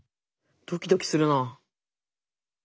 ドキドキするな。